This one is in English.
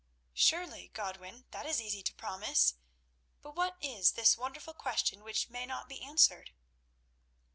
"Surely, Godwin, that is easy to promise. But what is this wonderful question which may not be answered?"